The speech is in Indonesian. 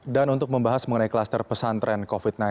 dan untuk membahas mengenai kluster pesantren covid sembilan belas